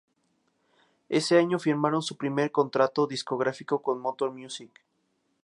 Ese año firmaron su primer contrato discográfico con Motor Music.